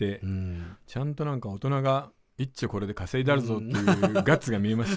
ちゃんと何か大人がいっちょこれで稼いだるぞっていうガッツが見えました。